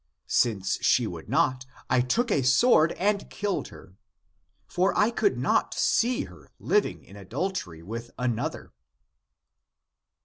Since she would not, I took a sword and killed her. For I could not see her living in adultery with another," 52.